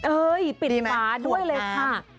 เอ้ยปิดม้าด้วยเลยค่ะ